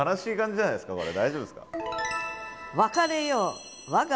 これ大丈夫っすか？